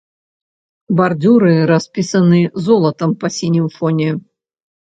Бардзюры распісаны золатам па сінім фоне.